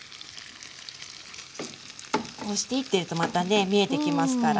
こうしていってるとまたね見えてきますから。